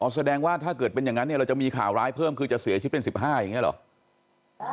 แสดงว่าถ้าเกิดเป็นอย่างนั้นเนี่ยเราจะมีข่าวร้ายเพิ่มคือจะเสียชีวิตเป็น๑๕อย่างนี้เหรอ